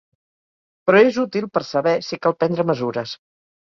Però és útil per a saber si cal prendre mesures.